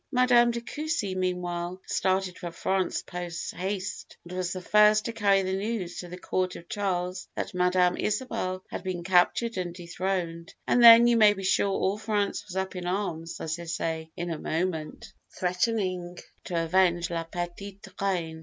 Madame de Coucy, meanwhile, started for France posthaste, and was the first to carry the news to the court of Charles that Madame Isabel had been captured and dethroned, and then you may be sure all France was up in arms, as they say, in a moment, threatening to avenge La Petite Reine.